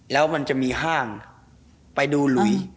แล้วมันจะมีห้างไปดูหลุย